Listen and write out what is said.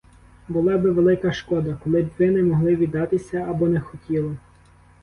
Була би велика шкода, коли б ви не могли віддатися або не хотіли!